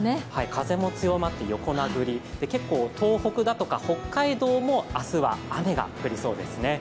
風も強まって横殴り、結構、東北とか北海道も明日は雨が降りそうですね。